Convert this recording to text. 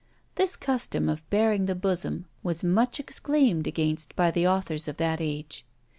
This custom of baring the bosom was much exclaimed against by the authors of that age.